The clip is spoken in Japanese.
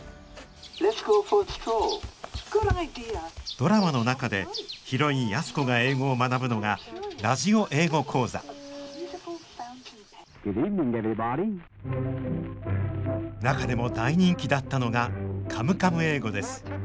ドラマの中でヒロイン安子が英語を学ぶのがラジオ英語講座中でも大人気だったのが「カムカム英語」です。